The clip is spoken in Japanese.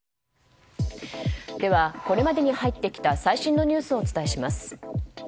では、これまでに入ってきた最新のニュースをお伝えします。